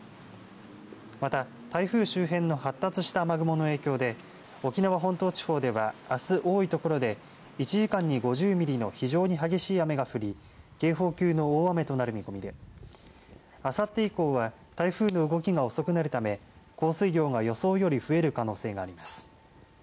また台風周辺の発達した雨雲の影響で沖縄本島地方ではあす多いところで１時間に５０ミリの非常に激しい雨が降り警報級の大雨となる見込みであさって以降は台風の動きが遅くなるため降水量が予想より増える可能性があります。